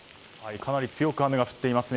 かなり強く雨が降っていますね。